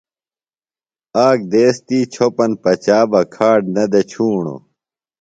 آک دیس تی چھوۡپن پچا بہ کھاڈ نہ دےۡ ڇُھوݨوۡ۔